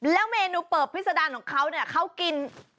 แล้วเมนูเปิบพิษดารของเขาเนี่ยเขากิน